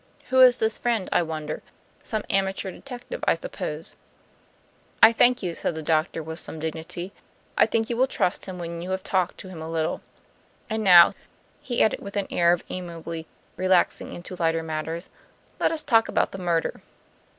Who is this friend, I wonder; some amateur detective, I suppose." "I thank you," said the doctor, with some dignity. "I think you will trust him when you have talked to him a little. And now," he added with an air of amiably relaxing into lighter matters, "let us talk about the murder.